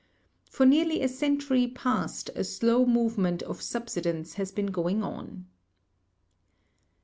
For nearly a century past a slow movement of subsidence has been going on.